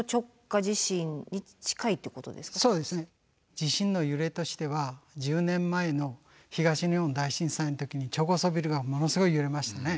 地震の揺れとしては１０年前の東日本大震災の時に超高層ビルがものすごい揺れましたね。